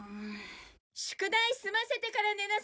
宿題済ませてから寝なさいよ！